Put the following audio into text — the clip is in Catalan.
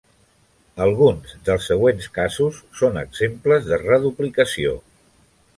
Alguns dels següents casos són exemples de reduplicació.